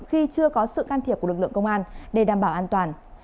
khi chưa có sự can thiệp của lực lượng công an để đảm bảo an toàn